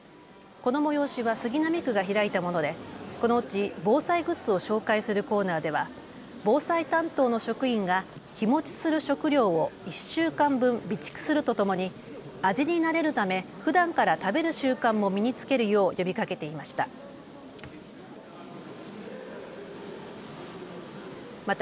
この催しは杉並区が開いたものでこのうち防災グッズを紹介するコーナーでは防災担当の職員が日もちする食料を１週間分、備蓄するとともに味に慣れるためふだんから食べる習慣も身につけるよう呼びかけていました。